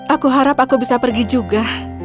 aku harap aku bisa pergi juga